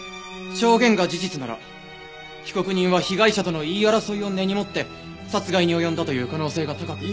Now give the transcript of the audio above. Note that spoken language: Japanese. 証言が事実なら被告人は被害者との言い争いを根に持って殺害に及んだという可能性が高く。